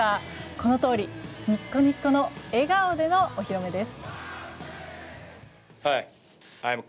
このとおり、ニッコニコの笑顔でのお披露目です。